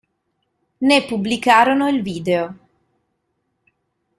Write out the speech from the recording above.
Ne pubblicarono il video.